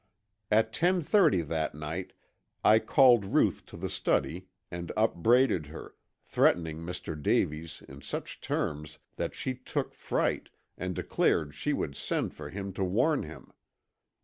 "At ten thirty that night I called Ruth to the study and upbraided her, threatening Mr. Davies in such terms that she took fright and declared she would send for him to warn him.